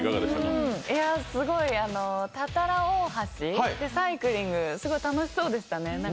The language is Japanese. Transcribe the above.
すごい多々羅大橋でサイクリング、すごい楽しそうでしたね。